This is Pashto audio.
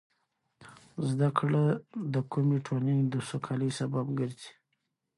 زده کړه د کومې ټولنې د سوکالۍ سبب ګرځي.